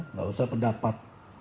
enggak usah pendapat